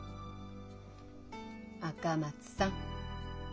赤松さん。